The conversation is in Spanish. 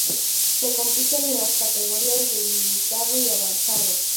Se compiten en las categorías de ilimitado y avanzado.